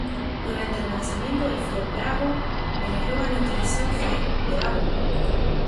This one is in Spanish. Durante el lanzamiento del Fiat Bravo el eslogan utilizado fue "Bravo.